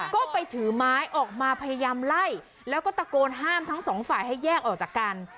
ก็ไปถือไม้ออกมาพยายามไล่แล้วก็ตะโกนห้ามทั้งสองฝ่ายให้แยกออกจากกัน